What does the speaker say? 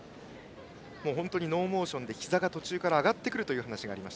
ノーモーションでひざが途中から上がってくるという話です。